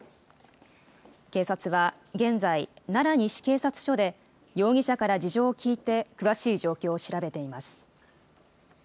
警察は現在、奈良西警察署で容疑者から事情を聴いて、詳しい状況を調べています。